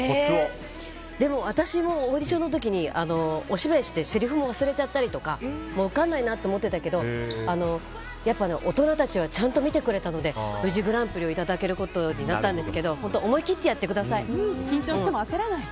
私もオーディションの時にお芝居してせりふも忘れちゃったりとか受からないなと思ってたけど大人たちはちゃんと見てくれたので無事グランプリをいただけることになったんですけど思い切ってやってください。